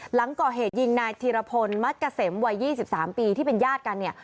หลังก่อเหตุยิงนายธีรพลมักเกษมวัย๒๓ปีที่เป็นญาติกันเนี่ย